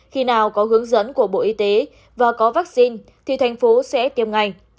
khi nào có hướng dẫn của bộ y tế và có vaccine thì thành phố sẽ tiêm ngành